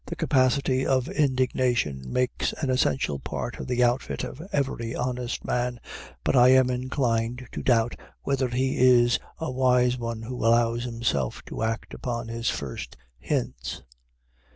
The capacity of indignation makes an essential part of the outfit of every honest man, but I am inclined to doubt whether he is a wise one who allows himself to act upon its first hints.